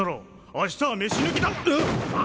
明日は飯抜きだがっ！